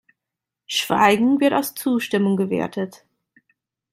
Schweigen wird als Zustimmung gewertet.